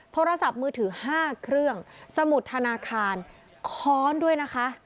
โทรศัพท์มือถือ๕เครื่องสมุดธนาคารค้อนด้วยนะคะ